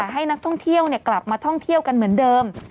ให้นักท่องเที่ยวกลับมาท่องเที่ยวกันเหมือนเดิม